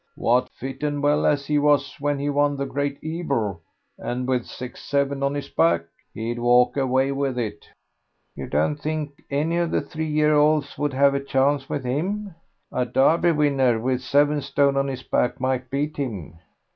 "What, fit and well as he was when he won the Great Ebor, and with six seven on his back? He'd walk away with it." "You don't think any of the three year olds would have a chance with him? A Derby winner with seven stone on his back might beat him."